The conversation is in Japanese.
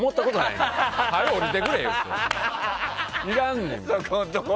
いらんねん。